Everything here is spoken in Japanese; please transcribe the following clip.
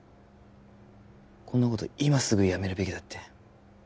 こんなこと今すぐやめるべきだって